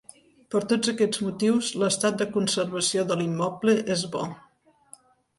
Per tots aquests motius, l'estat de conservació de l'immoble és bo.